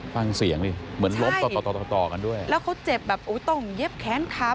ฟังเสียงดิเหมือนล้มต่อต่อต่อกันด้วยแล้วเขาเจ็บแบบอุ้ยต้องเย็บแค้นขา